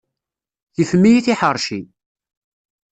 Tifem-iyi tiḥeṛci.